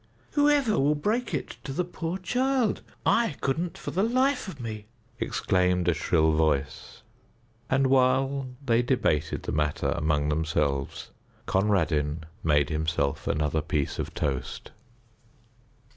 "Whoever will break it to the poor child? I couldn't for the life of me!" exclaimed a shrill voice. And while they debated the matter among themselves, Conradin made himself another piece of toast.